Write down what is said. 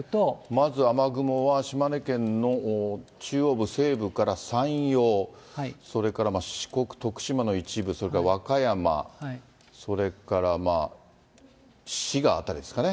まず雨雲は、島根県の中央部、西部から山陽、それから四国、徳島の一部、それから和歌山、それからまあ、滋賀辺りですかね。